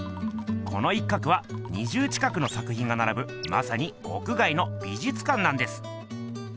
この一角は２０近くの作品がならぶまさに屋外の美術館なんです！